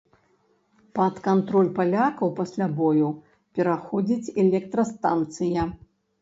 Пад кантроль палякаў пасля бою пераходзіць электрастанцыя.